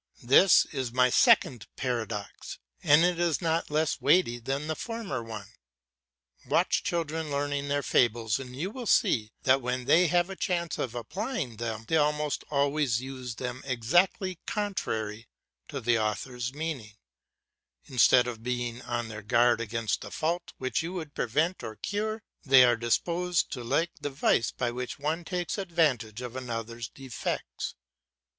This is my second paradox, and it is not less weighty than the former one. Watch children learning their fables and you will see that when they have a chance of applying them they almost always use them exactly contrary to the author's meaning; instead of being on their guard against the fault which you would prevent or cure, they are disposed to like the vice by which one takes advantage of another's defects.